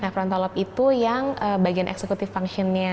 nah frontal lobe itu yang bagian eksekutif fungsinya